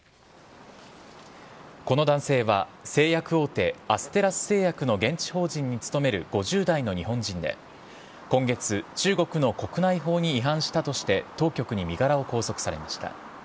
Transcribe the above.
この男性は、製薬大手、アステラス製薬の現地法人に勤める５０代の日本人で、今月、中国の国内法に違反したとして、当局に身柄を拘束されました。